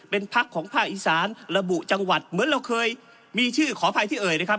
เป็นพักของภาคอีสานระบุจังหวัดเหมือนเราเคยมีชื่อขออภัยที่เอ่ยนะครับ